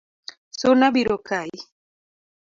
Suna biro kayi